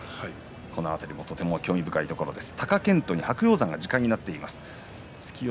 この辺りもとても興味深いところです。